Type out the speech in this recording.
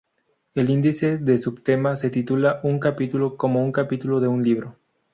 El índice de sub-tema se titula un capítulo, como un capítulo de un libro.